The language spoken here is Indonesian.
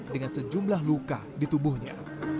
dengan sejumlah luka di tubuhnya